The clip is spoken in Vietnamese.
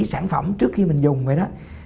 sản phẩm trước khi mình dùng vậy đó